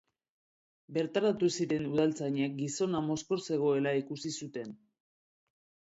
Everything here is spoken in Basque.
Bertaratu ziren udaltzainek gizona mozkor zegoela ikusi zuten.